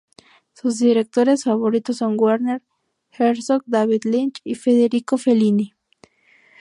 Sus directores favoritos son Werner Herzog, David Lynch y Federico Fellini.